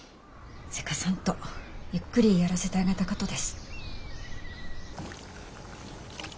せかさんとゆっくりやらせてあげたかとです。